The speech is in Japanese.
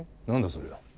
そりゃ。